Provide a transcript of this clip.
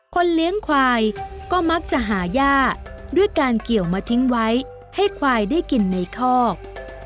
เลี้ยงควายก็มักจะหาย่าด้วยการเกี่ยวมาทิ้งไว้ให้ควายได้กินในคอก